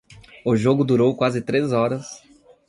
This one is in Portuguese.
O jogo durou quase três horas